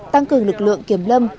tăng cường lực lượng kiểm lâm